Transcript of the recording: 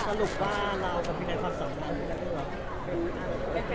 สรุปว่าเรากับพี่นัทความสำคัญหรือเปล่า